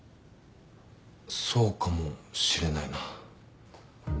そうかもしれないな。